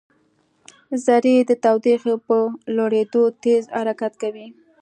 ذرې د تودوخې په لوړېدو تېز حرکت کوي.